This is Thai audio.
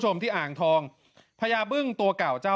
ที่อ่างทองพญาบึ้งตัวเก่าเจ้า